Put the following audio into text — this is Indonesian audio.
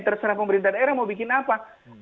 terserah pemerintah daerah mau bikin apa